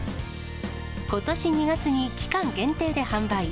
ことし２月に期間限定で販売。